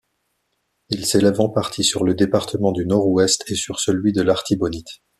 Il s'élève en partie sur le département du Nord-Ouest et sur celui de l'Artibonite.